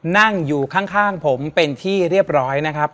นั่งอยู่ข้างผมเป็นที่เรียบร้อยนะครับ